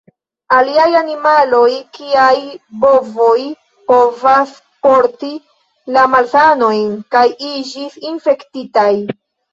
Aliaj animaloj kiaj bovoj povas porti la malsanojn kaj iĝis infektitaj.